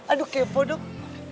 aduh kepo dong